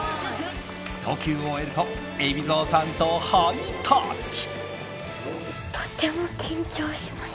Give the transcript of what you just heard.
投球を終えると海老蔵さんとハイタッチ。